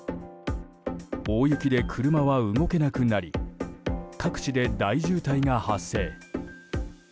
大雪で車は動けなくなり各地で大渋滞が発生。